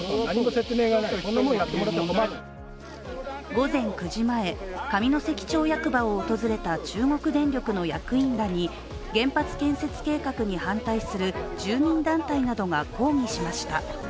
午前９時前、上関町役場を訪れた中国電力の役員らに原発建設計画に反対する住民団体などが抗議しました。